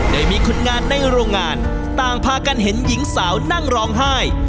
โดยมีคนงานในโรงงานต่างพากันเห็นหญิงสาวนั่งร้องไห้